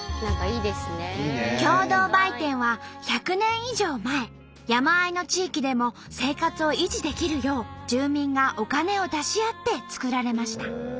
共同売店は１００年以上前山あいの地域でも生活を維持できるよう住民がお金を出し合って作られました。